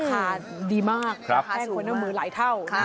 ราคาสูงมากราคาสูงแค่คนด้านมือหลายเท่า